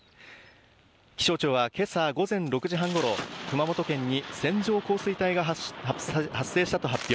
気象庁はけさ午前６時半ごろ、熊本県に線状降水帯が発生したと発表。